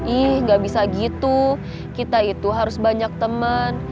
ih gak bisa gitu kita itu harus banyak teman